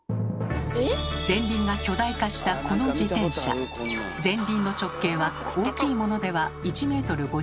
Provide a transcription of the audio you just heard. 前輪が巨大化したこの自転車前輪の直径は大きいものでは１ｍ５０ｃｍもありました。